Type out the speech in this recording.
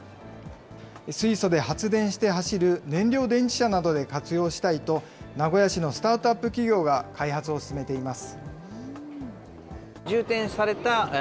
水素で発電して走る燃料電池車などで活用したいと、名古屋市のスタートアップ企業が開発を進めています。